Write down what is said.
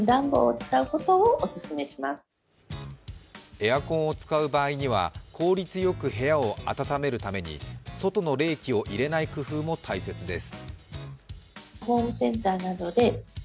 エアコンを使う場合には、効率よく部屋を暖めるために外の冷気を入れない工夫も大切です。